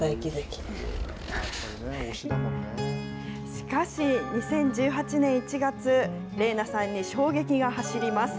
しかし２０１８年１月、伶奈さんに衝撃が走ります。